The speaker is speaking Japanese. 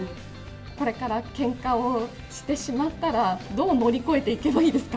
これからけんかをしてしまったら、どう乗り越えていけばいいですか？